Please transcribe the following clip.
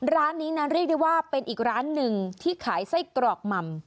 ร้านนี้นะเรียกได้ว่าเป็นอีกร้านหนึ่งที่ขายไส้กรอกหม่ำ